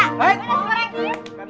eh mentang goreng